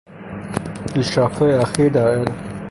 پیشرفتهای اخیر در علم